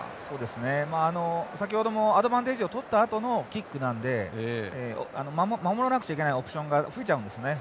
先ほどもアドバンテージを取ったあとのキックなので守らなくちゃいけないオプションが増えちゃうんですね。